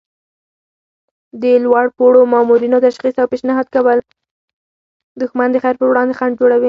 دښمن د خیر پر وړاندې خنډ جوړوي